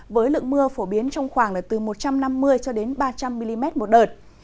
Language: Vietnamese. với lượng mưa phổ biến trong khoảng từ một trăm năm mươi ba trăm linh mm một đợt